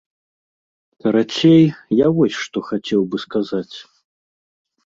Карацей, я вось што хацеў бы сказаць.